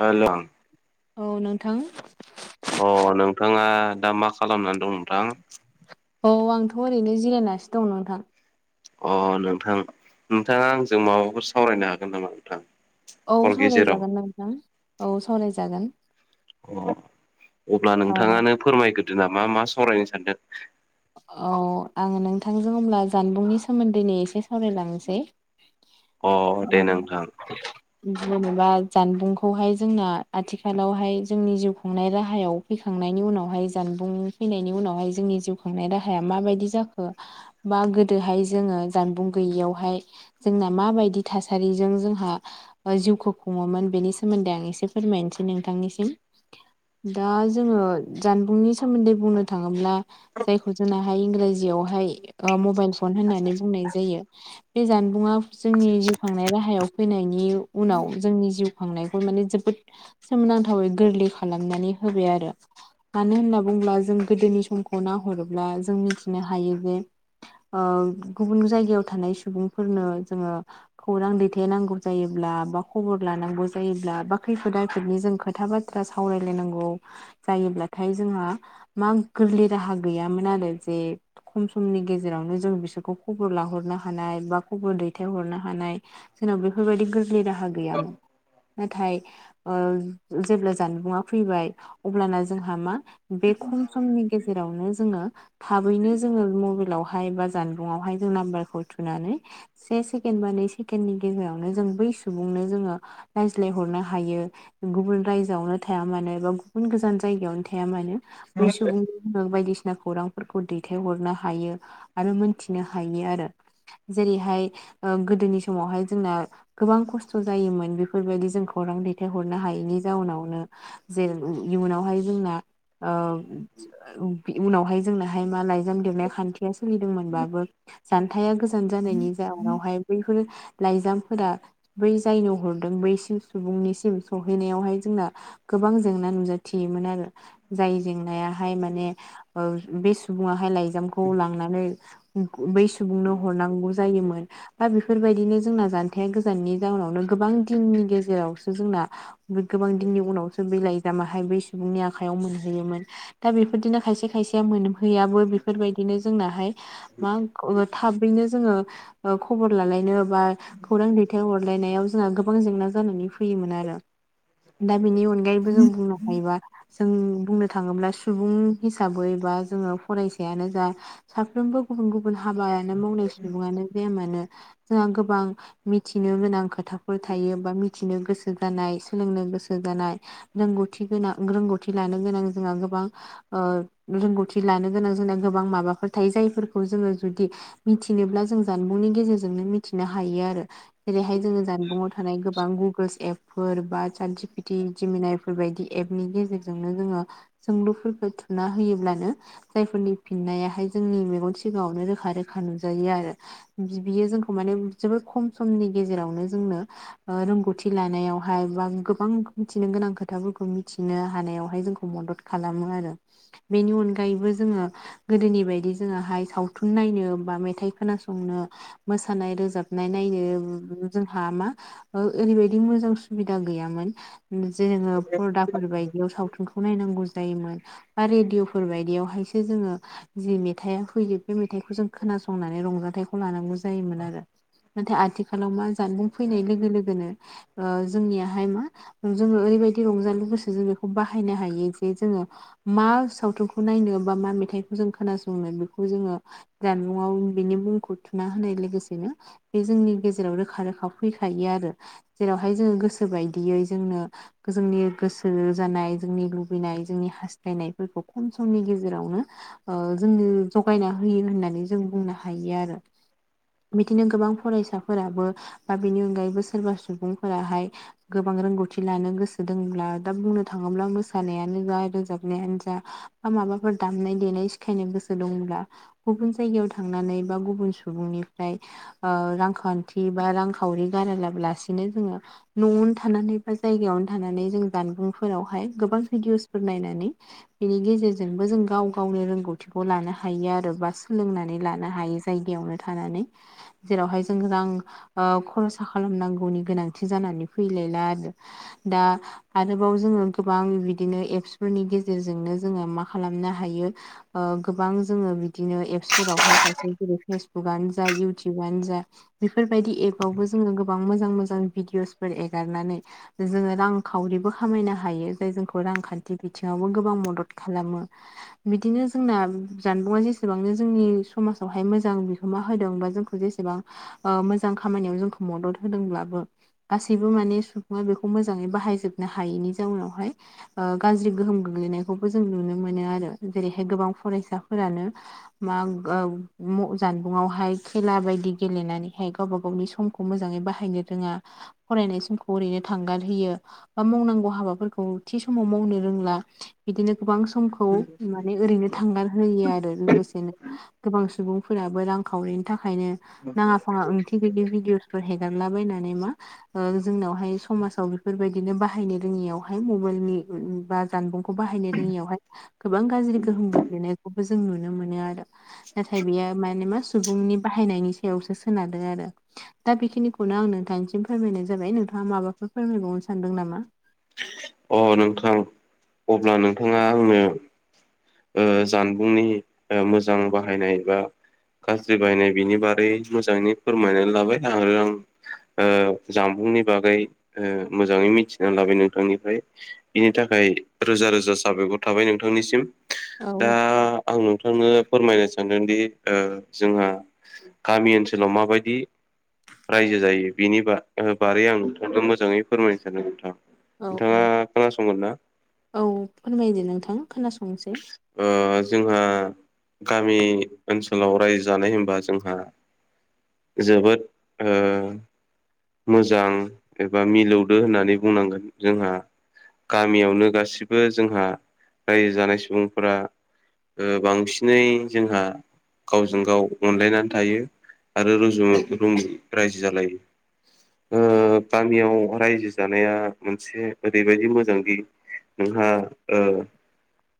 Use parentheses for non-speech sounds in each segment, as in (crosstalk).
Hello. औ नोंथां। अ नोंथाङा दा मा खालामनानै दं नोंथां। औ आंथ' ओरैनो जिरायनासो दं नोंथां। अ नोंथां नोंथाङा आंजों माबाफोर सावरायनो हागोन नामा नोंथां? औ हर गेजेराव सावरायजागोन न नोंथां औ सावरायजागोन। अ अब्ला औ नोंथाङानो फोरमायग्रोदो नामा मा सावरायनो सानदों? औ आङो नोंथांजों अब्ला जानबुंनि सोमोन्दै एसे सावरायलांनोसै। अ दे नोंथां (unintelligible) जेनेबा जानबुंखौहाय जोंना आथिखालावहाय जोंनि जिउ खुंनाय राहायाव फैखांनायनि उनावहाय जानबुं फैनायनि उनावहाय जोंनि जिउ खांनाय राहाया माबादि जाखो? बा गोदोहाय जोङो जानबुं गैयियावहाय। जोंना माबादि थासारिजों जोंहा जिउखौ खुङोमोन बेनि सोमोन्दै आं एसे फोरमायनोसै नोंथांनिसिम दा जोङो जानबुंनि सोमोन्दै बुंनो थाङोब्ला। जायखौ जोंनाहाय इंराजियावहाय मबाइल फन होननानै बुंनाय जायो। बे जानबुंआ जोंनि जिउ खांनाय राहायाव फैनायनि उनाव जोंनि जिउ खांनायखौ माने जोबोद सोमोनांथावै गोरलै खालामनानै होबाय आरो। मानो होनना बुङोब्ला जों गोदोनि समखौ नाहरोब्ला जों मिथिनो हायो जे गुबुन जायगायाव थानाय सुबुंफोरनो जोङो। खौरां दैथेनांगौ जायोब्ला बा खबर लानांगौ जायोब्ला बा खैफोद आफैफोदनि जों खोथा बा ब सावरायलायनांगौ जायोब्लाथाय जोंहा मा गोरलै राहा गैयामोन आरो जे खम समनि गेजेरावनो जों बिसोरखौ खबर लाहरनो हानाय बा खबर दैथायहरनो हानाय। जोंनाव बेफोरबायदि गोरलै राहा गैयामोन। नाथाय जेब्ला जानबुं आं फैबाय अब्लाना जोंहा मा बे खम समनि गेजेरावनो। जोङो थाबैनो जोङो मबाइलावहाय बा जानबुंआवहाय जों नाम्बारखौ थुनानै‌ से सेकेण्ड बा नै सेकेण्डनि गेजेरावनो जों बै सुबुंनो जोङो। रायज्लायहरनो हायो। गुबुन रायजोआवनो थाया मानो एबा गुबुन गोजान जायगायावनो थाया मानो। बै सुबुंफोरनो बायदिसिना खौरांफोरखौ दैथायहरनो हायो। आरो मोनथिनो हायो आरो जेरैहाय गोदोनि समावहाय जोंना गोबां खस्थ' जायोमोन बेफोरबादि जों खौरां दैथायहरनो हायैनि जाउनावनो जेरै इयुनावहाय जोंना उनावहाय जोंनाहाय मा लाइजाम देरनाय खान्थिया सोलिदोंमोनबाबो जानथाया गोजान जानायनि जाउनावहाय बैफोर लाइजामफोरा बै जायनो हरदों बै सुबुंनिसिम सहैनायावहाय जोंना गोबां जेंना नुजाथियोमोन आरो जाय जेंनायाहाय माने। बे सुबुङा हाय लाइजामखौ लांनानै बै सुबुंनो हरनांगौ। ओ जायोमोन। बा बेफोरबायदिनो जोंना जानथाया गोजाननि जाउनावनो गोबां दिननि गेजेरावसो जोंना। गोबां दिननि उनावसो बे लाइजामाहाय बै सुबुंनि आखायाव मोनहैयोमोन दा बेफोरदिनो खायसे खायसेया मोनहैयाबो बेफोरबादिनो जोंनाहाय मा थाबैनो जोङो खबर लालायनो बा खौरां दैथाय हरलायनायाव जोंहा गोबां जेंना जानानै फैयोमोन आरो दा बेनि अनगायैबो जों बुंनो हायोबा जों बुंनो थाङोब्ला सुबुं। हिसाबै बा जोङो फरायसायानो जा साफ्रोमबो गुबुन गुबुन हाबायानो मावनाय सुबुङानो जाया मानो जोंहा गोबां मिथिनो गोनां खोथाफोर थायो बा मिथिनो गोसो जानाय सोलोंनो गोसो जानाय रोंगौथि गोनां रोंगौथि लानो गोनां जोंहा गोबां ओ रोंगौथि लानो गोनां जोंना गोबां माबाफोर थायो जायफोरखौ जोङो जुदि मिथिनोब्ला जों जानबुंनि गेजेरजोंनो मिथिनो हायो आरो जेरैहाय जोङो जानबुंआव थानाय गोबां गुगोल्स एपफोर बा सान्थि पिथि जमिना बेफोरबायदि एपनि गेजेरजोंनो जोङो सोंलुफोरखौ थुना होयोब्लानो जायफोरनि फिननायाहाय जोंनि मेगन सिगाङावनो रोखा रोखा नुजायो आरो बियो जोंखौ माने जोबोद खम समनि गेजेरावनो जोंनो ओ रोंगौथि लानायावहाय बा गोबां मिथिनो गोनां खोथाफोरखौ मिथिनो हानायावहाय जोंखौ मदद खालामो आरो बेनि अनगायैबो जोङो गोदोनि बायदि जोङाहाय सावथुन नायनो बा मेथाइ खोनासंनो मोसानाय रोजाबनाय नायनो जोंहा मा ओरैबायदि मोजां सुबिदा गैयामोन जोङो फरदाफोर बायदियाव सावथुनखौ नायनांगौ जायोमोन बा रेडिअफोर बायदियावहायसो जोङो जि मेथाइआ फैयो बे मेथाइखौ जों खोनासंनानै रंजाथाइखौ लानांगौ जायोमोन आरो नाथाय आथिखालाव मा जानबुं फैनाय लोगो लोगोनो ओ जोंनियाहाय मा जोङो ओरैबायदि रंजालि गोसोजों जों बेखौ बाहायनो हायो जे जोङो मा सावथुनखौ नायनो बा मा मेथाइखौ जों खोनासंनो बेखौ जोङो जानबुङाव बिनि मुंखौ थुना होनाय लोगोसेनो बे जोंनि गेजेराव रोखा रोखा फैखायो आरो जेरावहाय जोङो गोसो बायदियै जोंनो जोंनि गोसो जानाय जोंनि लुबैनाय जोंनि हास थायनायफोरखौ खम समनि गेजेरावनो ओ जोंनो जगायना होयो होननानै जों बुंनो हायो आरो मिदिनो गोबां फरायसाफोराबो बा बेनि अनगायैबो सोरबा सुबुंफोराहाय गोबां रोंगौथि लानो गोसो दोङब्ला दा बुंनो थाङोब्ला मोसानायानो जा रोजाब नायानो जा बा माबाफोर दामनाय देनाय सिखायनो गोसो दंब्ला गुबुन जायगायाव थांनानै बा गुबुन सुबुंनिफ्राय ओ रांखान्थि बा रांखावरि गारालासिनो जोङो न'आवनो थानानै बा जायगायावनो थानानै जों जानबुंफोरावहाय गोबां भिडिअफोर नायनानै बेनि गेजेरजोंबो जों गाव गावनि रोंगौथिखौ लानो हायो आरो बा सोलोंनानै लानो हायो जायगायावनो थानानै जेरावहाय जों रां खरसा खालामनांगौनि गोनांथि जानानै फैलायला आरो दा आरोबाव जोङो गोबां बिदिनो एपसफोरनि गे जेरजोंनो जोङो मा खालामनो हायो गोबां जोङो बिदिनो एपसफोरावहाय खायसे जेरै फेसबुकनो जा इयउटुबनो जा बेफोरबायदि एबावबो जोङो गोबां मोजां मोजां भिदिअसफोर एगारनानै जोङो रांखावरिबो खामायनो हायो जाय जोंखौ रांखान्थि बिथिं आवबो गोबां मदद खालामो बिदिनो जोंना जानबुंआ जेसेबांनो जोंनि समाजावहाय मोजां बिहोमा होदों बा जों खौ जेसेबां मोजां खामानियाव जोंखौ मदद होदोंब्लाबो गासैबो माने सुबुङा बेखौ मोजाङै बाहायजोबनो हायैनि जाउनावहाय ओ गाज्रि गोहोम गोग्लैनायखौबो जों नुनो मोनो आरो जेरैहाय गोबां फरायसाफोरानो मा जानबुङावहाय खेला बायदि गेलेनानैहाय गावबा गावनि सम खौ मोजाङै बाहायनो रोङा फरायनाय समखौ ओरैनो थांगार होयो बा मावनांगौ हाबाफोरखौ थि समाव मावनो रों ला बिदिनो गोबां समखौ मा ने ओरैनो थांगार होयो आरो लोगोसेनो गोबां सुबुंफोराबो रांखावरिनि थाखायनो नाङा फाङा ओंथि गैयि भिदिअसफोर हेगारलाबायनानै मा जोंनावहाय समाजाव बेफोरबायदिनो बाहायनो रोङियावहाय मबाइलनि बा जानबुंखौ बाहायनो रोङियावहाय गोबां गाज्रि गोहोम गोग्लैनायखौबो जों नुनो मोनो आरो। नाथाय बेयो माने मा सुबुंनि बाहायनायनि सायावसो सोनारदों आरो। दा बेखिनिखौनो आं नोंथांनिसिम फोरमायनाय जाबाय नोंथाङा माबाफोर फोरमायबावनो सानदों नामा? अ नोंथां अब्ला नोंथाङा आंनो। जानबुंनि मोजां बाहायनाय बा गाज्रि बायनाय बिनि बारै मोजाङै फोरमायनानै लाबाय आरो आं जामबुंनि बागै मोजाङै मिथिना लाबाय नोंथांनिफ्राय बिनि थाखाय रोजा रोजा साबायखर थाबाय नोंथांनिसिम। दा औ आं नोंथांनो फोरमायनो सानदोंदि जोंहा गामि ओनसोलाव माबायदि रायजो जायो बिनि बा बारै आं नोंथांखौ मोजाङै फोरमायनो सानदों नोंथां। औ औ नोंथाङा खोनासंगोनना? औ फोरमायदो नोंथां खोनासंनोसै। ओ जोंहा गामि ओनसोलाव रायजो जानाय होनबा जोंहा जोबोद ओ मोजां एबा मिलौदो होननानै बुंनांगोन जोंहा गामियावनो गासिबो जोंहा रायजो जानाय सुबुंफोरा ओ बांसिनै जोंहा गावजों गाव अनलायनानै थायो आरो रुजु-रुमु रायजो जालायो। ओ गामियाव रायजो जानाया मोनसे ओरैबायदि मोजांदि नोंहा ओ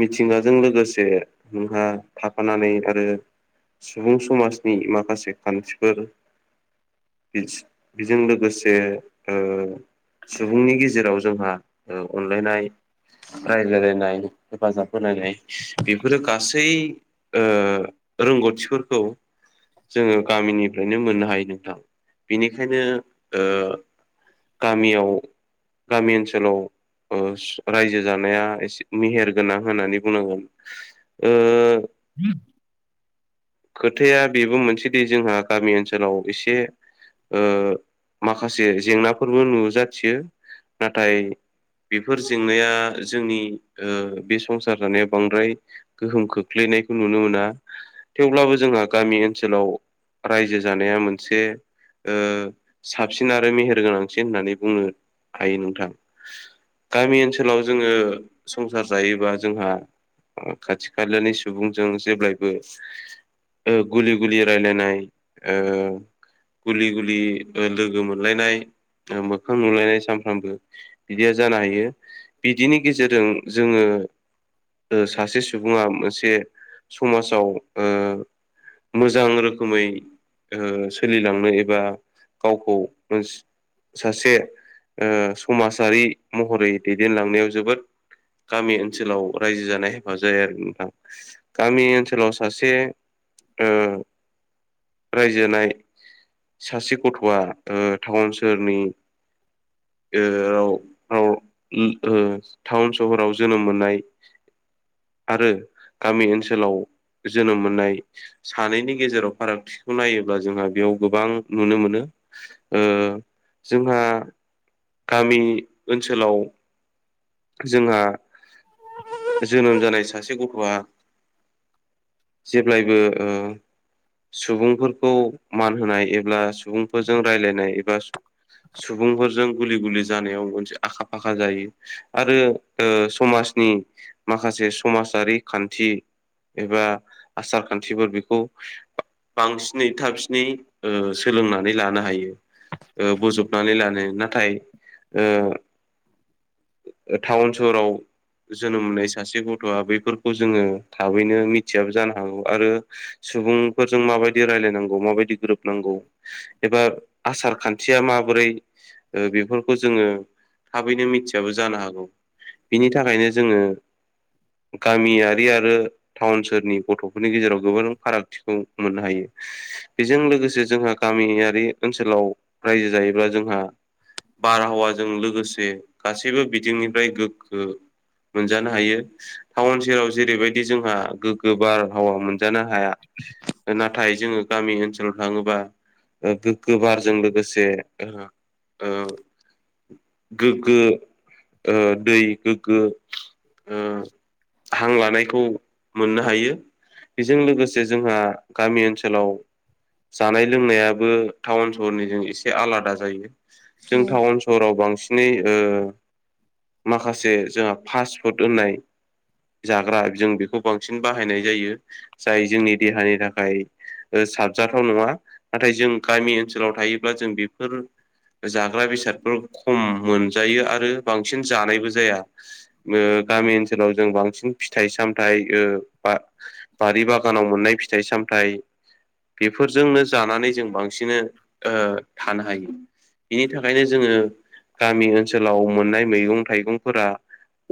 मिथिंगाजों लोगोसे नोंहा थाफानानै आरो सुबुं समाजनि माखासे खान्थिफोर बेजों लोगोसे सुबुंनि गेजेराव जोंहा अनलायनाय रायलायलायनाय। हेफाजाब होनोलायनाय बेफोरो गासै रोंगौथिफोरखौ जोङो गामिनिफ्रायनो मोननो हायो नोंथां बेनिखायनो ओ गामियाव गामि ओनसोलाव रायजो जानाया एसे मेहेर गोनां होननानै बुंनांगोन, ओ (unintelligible) खोथाया बेबो मोनसेदि जोंहा गामि ओनसोलाव एसे माखासे जेंनाफोरबो नुजाथियो। नाथाय बेफोर जेंनाया जोंनि बे संसार जानायाव बांद्राय गोहोम खोख्लैनायखौ नुनो मोना। थेवब्लाबो जोंहा गामि ओनसोलाव रायजो जानाया मोनसे साबसिन आरो मेहेर गोनांसिन होननानै बुंनो हायो नोंथां। गामि ओनसोलाव जोङो संसार जायोबा जोंहा खाथि खालानि सुबुंजों जेब्लायबो गुलि गुलि रायलायनाय। गुलि गुलि लोगो मोनलायनाय मोखां नुलायनाय सानफ्रामबो। बिदिया जानो हायो बिदिनि गेजेरजों जोङो सासे सुबुङा मोनसे समाजाव मोजां रोखोमै सोलिलांनो एबा गावखौ मोन। सासे समाजारि महरै दैदेनलांनायाव जोबोद गामि ओनसोलाव रायजो जानाय हेफाजाब जायो आरो नोंथां। गामि ओनसोलाव सासे रायजोनाय सासे गथ'आ टाउन सोहोरनि ओ औ औ उम ओ टाउन सहराव जोनोम मोननाय आरो गामि ओनसोलाव जोनोम मोननाय सानैनि गेजेराव फारागथिखौ नायोब्ला जोंहा बेयाव गोबां नुनो मोनो। ओ जोंहा गामि ओनसोलाव जोंहा जोनोम जानाय सासे गथ'आ जेब्लायबो ओ सुबुंफोरखौ मान होनाय एबा सुबुंफोरजों रायलायनाय एबा सुबुंफोरजों गुलि गुलि जानायाव मोनसे आखा फाखा जायो आरो ओ समाजनि माखासे समाजारि खान्थि एबा आसार खान्थिफोर बेखौ बांसिनै थाबसिनै सोलोंनानै लानो हायो। ओ बोजबनानै लानो नाथाय ओ टाउन सहराव जोनोम मोननाय सासे गथ'आ बेफोरखौ जोङो थाबैनो मिथियाबो जानो हागौ आरो सुबुंफोरजों माबायदि रायलायनांगौ माबायदि गोरोब नांगौ एबा आसार खान्थिया माबोरै ओ बेफोरखौ जोङो थाबैनो मिथियाबो जानो हागौ। बिनि थाखायनो जोङो गामियारि आरो टाउन सोहोरनि गथ'फोरनि गेजेराव गोबां फारागथिखौ मोननो हायो। बेजों लोगोसे जोंहा गामियारि ओनसोलाव रायजो जायोब्ला जोंहा बारहावाजों लोगोसे गासैबो बिथिंनिफ्राय गोग्गो मोनजानो हायो टाउन सेराव जेरैबायदि जोंहा गोग्गो बार हावा मोन जानो हाया नाथाय जोङो गामि ओनसोलाव थाङोबा गोग्गो बारजों लोगोसे ओ गोग्गो ओ दै गोग्गो ओ हां लानायखौ मोननो हायो बेजों लोगोसे जोंहा गामि ओनसोलाव जानाय लोंनायाबो टाउन सहरनिजों एसे आलादा जायो जों औ टाउन स सहराव बांसिनै ओ माखासे जोंहा फास्ट फुड होननाय जाग्रा जों बेखौ बांसिन बाहायनाय जायो जाय जोंनि देहानि थाखाय साबजाथाव नङा नाथाय जों गामि ओनसोलाव थायोब्ला जों बेफोर जाग्रा बेसादफोर खम मोनजायो आरो बांसिन जानायबो जाया। ओ गामि ओनसोलाव जों बांसिन फिथाइ सामथाइ ओ बा बारि बागानाव मोननाय फिथाइ सामथाइ बेफोरजोंनो जानानै जों बांसिनै ओ थानो हायो। बिनि थाखायनो जोङो गामि ओनसोलाव मोननाय मैगं थाइगंफोरा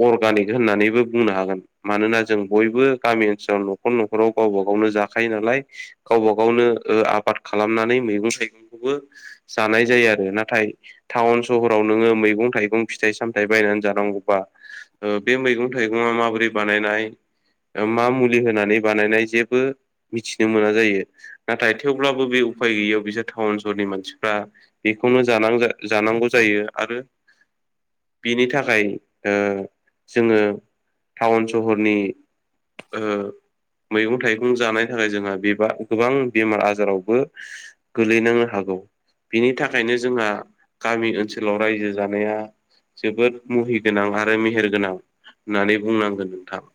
अर्गानिक होननानैबो बुंनो हागोन। मानोना जों बयबो गामि ओनसोलाव न'खर न'खराव गावबा गावनो जाखायो नालाय। गावबा गावनो ओ आबाद खालामनानै मैगं थाइगंखौबो जानाय जायो आरो ना। नाथाय टाउन सहराव नोङो मैगं थाइगं फिथाइ सामथाइ बायनानै जानांगौबा ओ बे मैगं थाइगङा माबोरै बानायनाय मा मुलि होनानै बानायनाय जेबो मिथिनो मोना जायो। नाथाय थेवब्लाबो बे उफाय गैयियाव बिसोर टाउन सहरनि मानसिफ्रा बे बेखौनो जानांगौ जायो आरो। बिनि थाखाय ओ जोङो टाउन सहरनि ओ मैगं थाइगं जानाय थाखाय जोंहा बेबा गोबां बेमार आजारावबो गोलैनांनो हागौ बिनि था फ्रायनो जोंहा गामि ओनसोलाव रायजो जानाया जोबोद मुहिगोनां आरो मेहेरगोनां होननानै बुंनांगोन नोंथां।